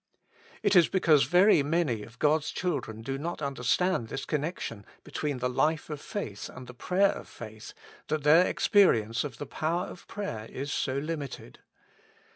It is because very many of God's children do not understand this connection between the life of faith and the prayer of faith that their experience of the power of prayer is so limited.